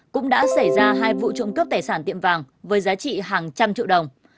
cũng đã xảy ra hai vụ trộm cắp tài sản tiệm vàng với giá trị hàng trăm triệu đồng